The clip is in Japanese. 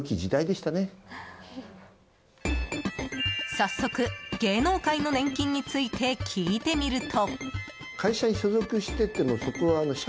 早速、芸能界の年金について聞いてみると。